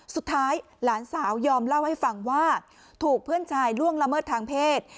สุดท้ายหลานสาวยอมเล่าให้ฟังว่าถูกเพื่อนชายล่วงละเมิดทางเพศ